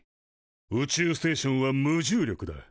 宇宙ステーションは無重力だ。